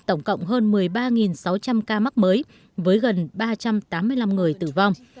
tổng cộng hơn một mươi ba sáu trăm linh ca mắc mới với gần ba trăm tám mươi năm người tử vong